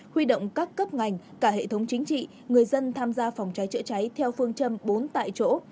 huy động các cấp ngành cả hệ thống chính trị người dân tham gia phòng cháy chữa cháy theo phương châm bốn tại chỗ